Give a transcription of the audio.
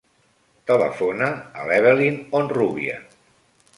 Telefona a l'Evelyn Onrubia.